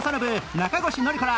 中越典子ら